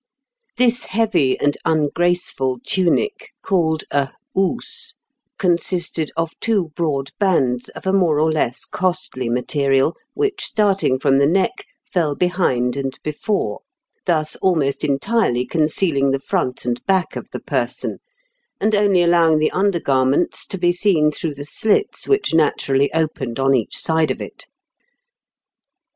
This heavy and ungraceful tunic, called a housse, consisted of two broad bands of a more or less costly material, which, starting from the neck, fell behind and before, thus almost entirely concealing the front and back of the person, and only allowing the under garments to be seen through the slits which naturally opened on each side of it.